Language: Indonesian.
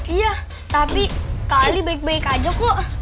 iya tapi kali baik baik aja kok